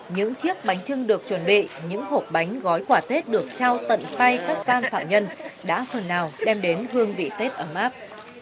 những chiếc bánh trưng được chuẩn bị những hộp bánh gói quả tết được trao tận tay các can phạm nhân đã phần nào đem đến hương vị tết ấm áp